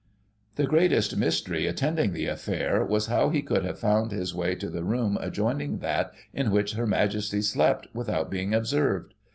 The greatest mystery attending the affair was, how he could have found his way to the room adjoining that in which Her Majesty slept, without being observed.